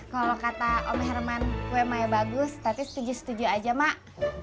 kalau kata om herman kue mai bagus tati setuju setuju aja mak